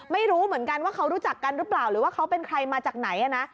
ไม่รู้เหมือนกันว่าเขารู้จักกันหรือเปล่าหรือว่าเขาเป็นใครมาจากไหนนะ